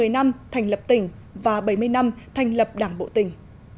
một trăm một mươi năm thành lập tỉnh và bảy mươi năm thành lập đảng bộ tỉnh